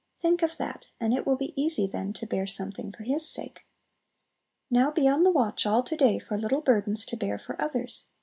Think of that, and it will be easy then to bear something for His sake. Now be on the watch all to day for little burdens to bear for others.